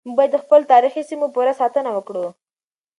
موږ بايد د خپلو تاريخي سيمو پوره ساتنه وکړو.